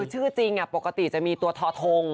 ชื่อจริงปกติจะมีตัวทอทง